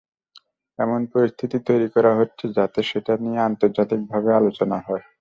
এমন পরিস্থিতি তৈরি করা হচ্ছে, যাতে সেটা নিয়ে আন্তর্জাতিকভাবে আলোচনা হয়।